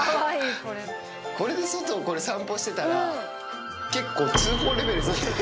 これで外、これ散歩してたら、結構、通報レベル。